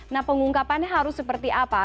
nah pengungkapannya harus seperti apa